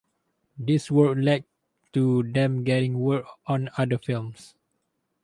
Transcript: This work led to them getting work on other films.